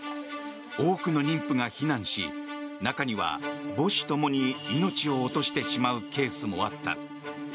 多くの妊婦が避難し中には母子ともに命を落としてしまうケースもあった。